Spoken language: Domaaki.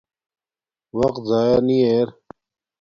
وقت ضایہ نی ار